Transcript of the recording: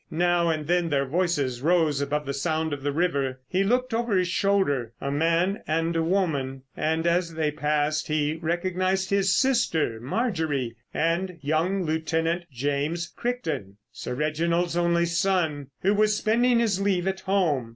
Now and then their voices rose above the sound of the river. He looked over his shoulder; a man and a woman, and as they passed he recognised his sister Marjorie and young Lieutenant James Crichton, Sir Reginald's only son, who was spending his leave at home.